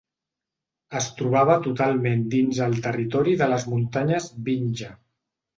Es trobava totalment dins el territori de les muntanyes Vindhya.